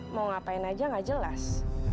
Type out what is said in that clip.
mau ngapain aja gak jelas